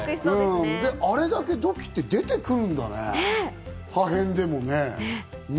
あれだけ土器って出てくるんだね、破片でもね。